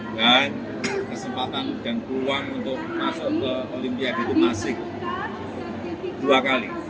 dan kesempatan dan peluang untuk masuk ke olimpiade itu masih dua kali